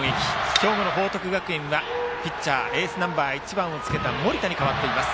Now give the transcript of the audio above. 兵庫の報徳学園はピッチャーがエースナンバー１番をつけた盛田に代わっています。